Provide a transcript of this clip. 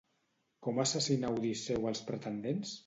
Com assassinà Odisseu els pretendents?